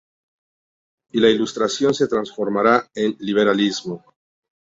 Y la Ilustración se transformará en Liberalismo.